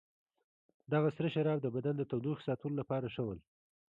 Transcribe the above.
دغه سره شراب د بدن د تودوخې ساتلو لپاره ښه ول.